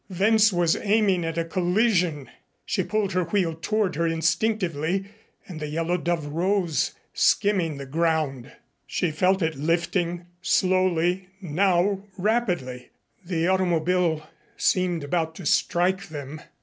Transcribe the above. Wentz was aiming at a collision. She pulled her wheel toward her instinctively and the Yellow Dove rose, skimming the ground. She felt it lifting, slowly, now rapidly. The automobile seemed about to strike them.